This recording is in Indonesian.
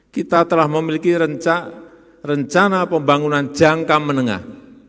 kita telah memiliki rencana pembangunan jangka menengah